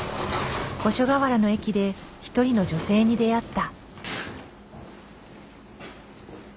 五所川原の駅で一人の女性に出会った。